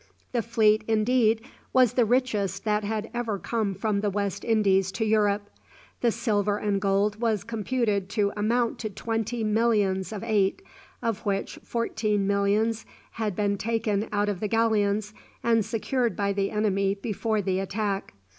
The fleet, indeed, was the richest that had ever come from the West Indies to Europe. The silver and gold was computed to amount to twenty millions of eight, of which fourteen millions had been taken out of the galleons and secured by the enemy before the attack.